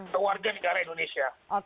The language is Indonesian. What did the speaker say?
keluarga negara indonesia